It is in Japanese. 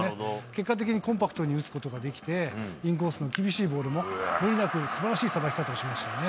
結果的にコンパクトに打つことができて、インコースの厳しいボールも、無理なくすばらしいさばきをしましたね。